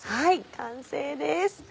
完成です。